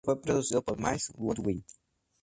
Este sencillo fue producido por Myles Goodwyn.